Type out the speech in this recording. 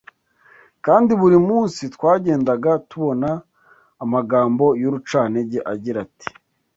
kandi buri munsi twagendaga tubona amagambo y’urucantege agira ati: